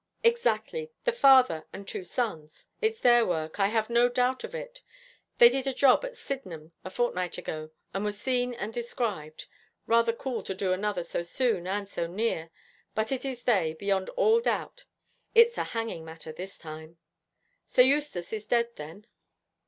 'Exactly; the father and two sons. It's their work. I have not a doubt of it. They did a job at Sydenham a fortnight ago and were seen and described. Rather cool to do another so soon and so near, but it is they, beyond all doubt. It's a hanging matter this time.' 'Sir Eustace is dead, then?'